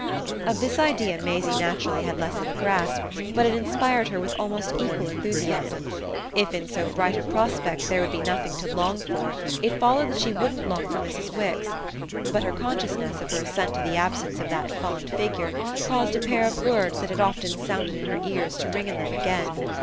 Of this idea Maisie naturally had less of a grasp, but it inspired her with almost equal enthusiasm. If in so bright a prospect there would be nothing to long for it followed that she wouldn't long for Mrs. Wix; but her consciousness of her assent to the absence of that fond figure caused a pair of words that had often sounded in her ears to ring in them again.